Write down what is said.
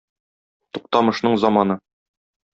Туктамышның заманы!